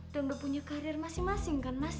dan berpunya karir masing masing kan mas